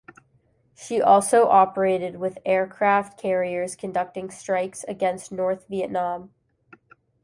She also operated with aircraft carriers conducting strikes against North Vietnam.